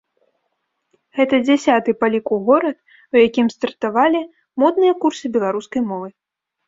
Гэта дзясяты па ліку горад, у якім стартавалі модныя курсы беларускай мовы.